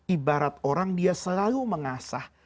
ibarat orang dia selalu mengasah